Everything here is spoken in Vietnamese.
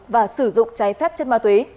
và sử dụng trái phép trên ma túy